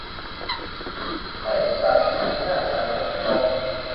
ไม่ตัดอำนาจศาลปกครอง